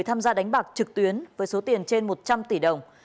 tham gia đánh bạc trực tuyến với số tiền trên một trăm linh tỷ đồng